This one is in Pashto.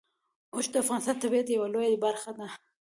اوښ د افغانستان د طبیعت یوه لویه برخه ده.